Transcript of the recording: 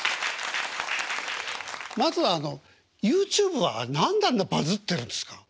まずはＹｏｕＴｕｂｅは何であんなバズってるんですか？